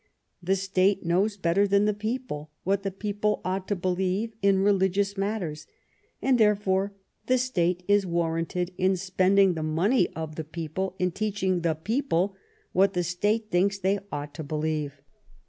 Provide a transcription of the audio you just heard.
The State knows better than the people what the people ought to believe in religious matters, and therefore the State is warranted in spending the money of the people in teaching the people what the State thinks they ought to believe.